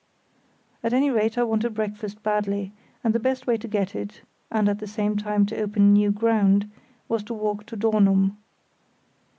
At any rate, I wanted breakfast badly; and the best way to get it, and at the same time to open new ground, was to walk to Dornum.